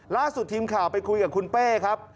ล่าสุดทีมข่าวไปคุยกับคุณเป้ครับ